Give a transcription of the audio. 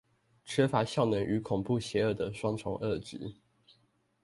缺乏效能與恐怖邪惡的雙重惡質